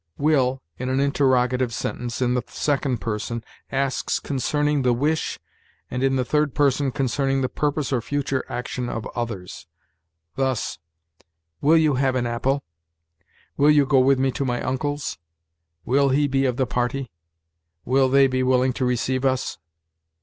WILL, _in an interrogative sentence, in the second person, asks concerning the wish, and, in the third person, concerning the purpose or future action of others_. Thus, "Will you have an apple?" "Will you go with me to my uncle's?" "Will he be of the party?" "Will they be willing to receive us?"